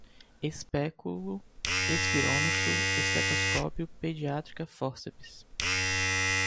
espéculo, espirômetro, estetoscópio, pediátrica, fórceps